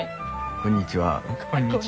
こんにちは。